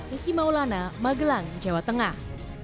iki maulana magelang jawa tengah